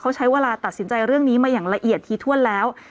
เขาใช้เวลาตัดสินใจเรื่องนี้มาอย่างละเอียดทีถ้วนแล้ว